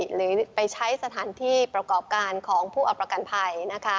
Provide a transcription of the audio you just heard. หรือไปใช้สถานที่ประกอบการของผู้เอาประกันภัย